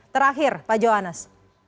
terakhir pak johannes